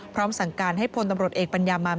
พร้อมสั่งการให้พลตำรวจเอกปัญญามา